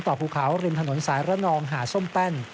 ภูเขาริมถนนสายระนองหาส้มแป้น